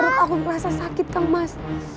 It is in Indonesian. perut aku merasa sakit kang mas